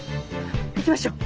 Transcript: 行きましょう。